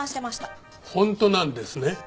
本当なんですね？